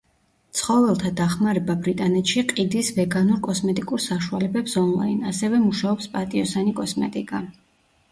ცხოველთა დახმარება ბრიტანეთში ყიდის ვეგანურ კოსმეტიკურ საშუალებებს ონლაინ, ასევე მუშაობს პატიოსანი კოსმეტიკა.